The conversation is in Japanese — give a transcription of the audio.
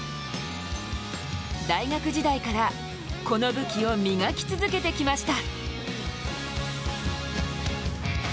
大学時代からこの武器を磨き続けてきました。